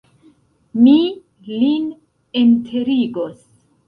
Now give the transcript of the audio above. Mi lin enterigos.